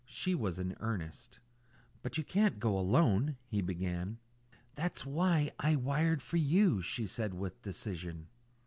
She was in earnest. "But you can't go alone " he began. "That's why I wired for you," she said with decision.